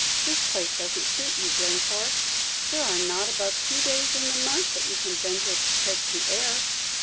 "This place doesn't suit you, Glencore. There are not above two days in the month you can venture to take the air."